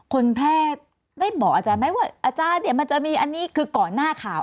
คนแพร่ได้บอกอาจารย์ไหมว่าอาจารย์เดี๋ยวมันจะมีอันนี้คือก่อนหน้าข่าว